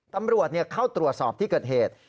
ตำรวจเข้าตรวจสอบที่เกิดเหตุ